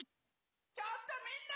ちょっとみんな！